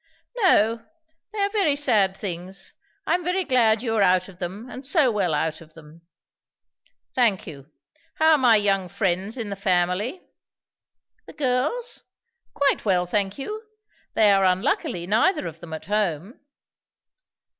"No; they are very sad things. I am very glad you are out of them, and so well out of them." "Thank you. How are my young friends in the family?" "The girls? Quite well, thank you, They are unluckily neither of them at home."